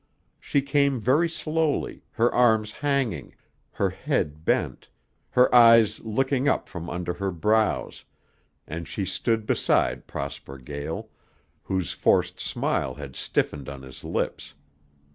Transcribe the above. She came very slowly, her arms hanging, her head bent, her eyes looking up from under her brows, and she stood beside Prosper Gael, whose forced smile had stiffened on his lips.